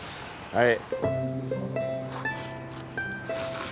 はい。